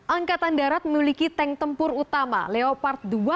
angkatan darat memiliki tank tempur utama leopard dua